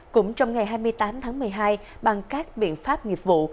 cũng trong ngày hai mươi tám tháng một mươi hai bằng các biện pháp nghiệp vụ